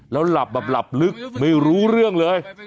แล้วหลับแบบหลับลึกไม่รู้เรื่องเลย